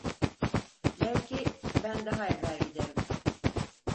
Belki ben daha evvel giderim…